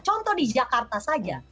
contoh di jakarta saja